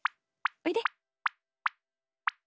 おいで。